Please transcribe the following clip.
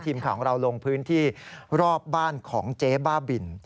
ทีมข่าวของเราลงพื้นที่รอบบ้านของเจ๊บ้าบิน